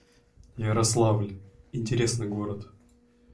Ярославль — интересный город